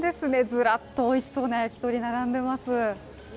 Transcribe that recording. ずらっとおいしそうな焼き鳥が並んでいます。